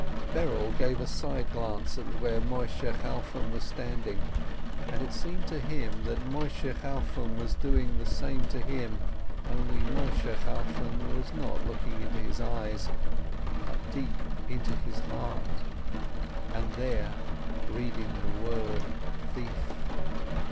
Berel gave a side glance at where Moisheh Chalfon was standing, and it seemed to him that Moisheh Chalfon was doing the same to him, only Moisheh Chalfon was looking not into his eyes, but deep into his heart, and there reading the word Thief!